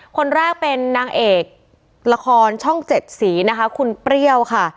คนแรกเป็นนางเอกละครช่อง๗สีคุณเปรี้ยวค่ะ